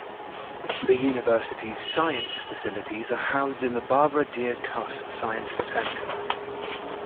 The University's science facilities are housed in the Barbara Deer Kuss Science Center.